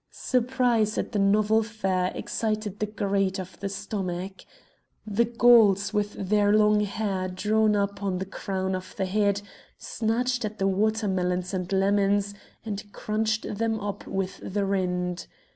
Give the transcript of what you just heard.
Surprise at the novel fare excited the greed of the stomach. The Gauls with their long hair drawn up on the crown of the head, snatched at the water melons and lemons, and crunched them up with the rind.